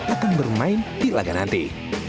akan bermain di laga nanti